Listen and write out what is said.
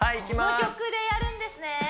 この曲でやるんですね